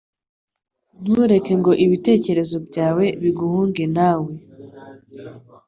Ntureke ngo ibitekerezo byawe biguhunge nawe.